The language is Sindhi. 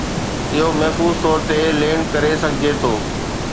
اهو محفوظ طور تي لينڊ ڪري سگهجي ٿو